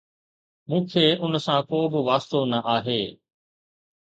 ؟ مون کي ان سان ڪو به واسطو نه آهي